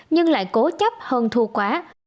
nhưng lại cố chấp hơn thua quá